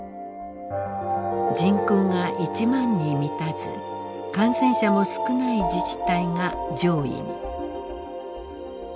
人口が１万に満たず感染者も少ない自治体が上位に。